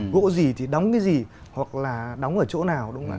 gỗ gì thì đóng cái gì hoặc là đóng ở chỗ nào